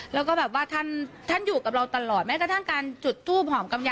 แล้วก็แบบว่าท่านท่านอยู่กับเราตลอดแม้กระทั่งการจุดทูบหอมกำไย